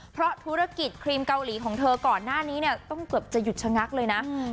เพราะธุรกิจครีมเกาหลีของเธอก่อนหน้านี้เนี่ยต้องเกือบจะหยุดชะงักเลยนะ